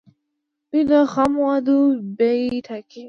دوی د خامو موادو بیې ټاکي.